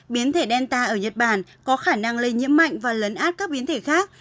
biến thể delta ở nhật bản có khả năng lây nhiễm mạnh và lấn át các biến thể khác